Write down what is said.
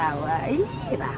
anak anugilah tuhan ya